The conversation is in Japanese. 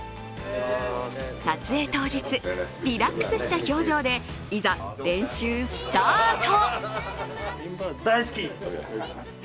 撮影当日、リラックスした表情でいざ、練習スタート。